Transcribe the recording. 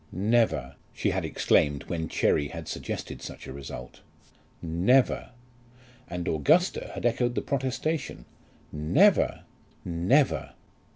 "Never," she had exclaimed when Cherry had suggested such a result; "never!" And Augusta had echoed the protestation, "Never, never!"